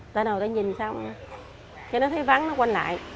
tại nào nó nhìn xong khi nó thấy vắng nó quay lại